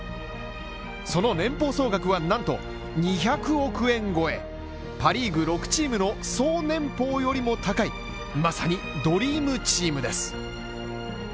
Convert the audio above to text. その年俸総額はなんと２００億円超え、パ・リーグ６チームの総年俸よりも高いまさにドリームチームです。